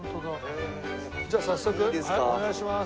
じゃあ早速お願いします。